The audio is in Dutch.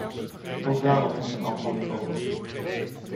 Ook daarop moet een antwoord komen.